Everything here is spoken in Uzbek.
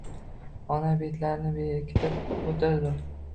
Ona betlarini bekitib o‘tirdi.